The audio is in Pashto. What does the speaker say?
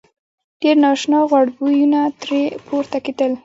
ډېر نا آشنا غوړ بویونه ترې پورته کېدل.